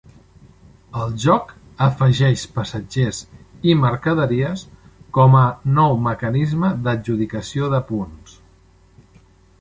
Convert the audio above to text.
El joc afegeix passatgers i mercaderies com a nou mecanisme d'adjudicació de punts.